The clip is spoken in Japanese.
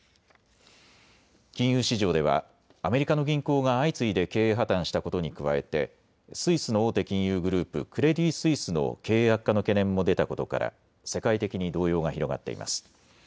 金融市場ではアメリカの銀行が相次いで経営破綻したことに加えてスイスの大手金融グループ、クレディ・スイスの経営悪化の懸念も出たことから世界的に動揺が広がっています。